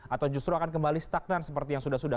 atau justru akan kembali stagnan seperti yang sudah sudah